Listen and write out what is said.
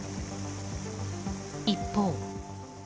一方。